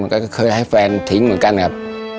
ก็เคยให้แฟนทิ้งเหมือนกันครับ